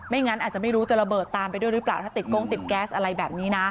งั้นอาจจะไม่รู้จะระเบิดตามไปด้วยหรือเปล่าถ้าติดโกงติดแก๊สอะไรแบบนี้นะ